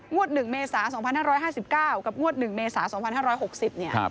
๑เมษา๒๕๕๙กับงวด๑เมษา๒๕๖๐เนี่ย